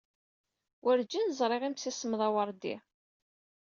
Werǧin ẓriɣ imsismeḍ aweṛdi.